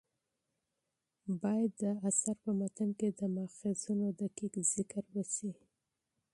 باید د اثر په متن کې د ماخذونو دقیق ذکر وشي.